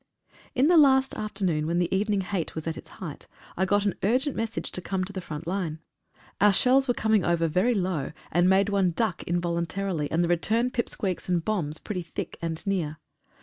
On the last afternoon, when the evening hate was at its height, I got an urgent message to come to the front line. Our shells were coming over very low, and made one duck involuntarily, and the return pip squeaks and bombs were pretty thick and near.